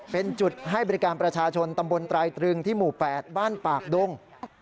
เป็นจุดให้บริการประชาชนตำบลไตรตรึงที่หมู่๘บ้านปากดง